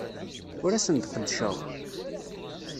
Ur asen-d-qeddceɣ.